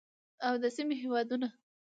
او د سیمې هیوادونه